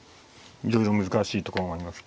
いろいろ難しいところもあります。